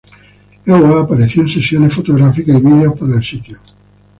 Ewa apareció en sesiones fotográficas y videos para el sitio.